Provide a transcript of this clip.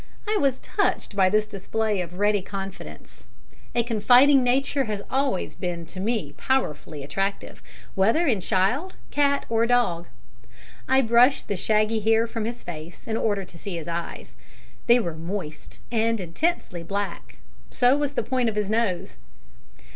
I was touched by this display of ready confidence. A confiding nature has always been to me powerfully attractive, whether in child, cat, or dog. I brushed the shaggy hair from his face in order to see his eyes. They were moist, and intensely black. So was the point of his nose.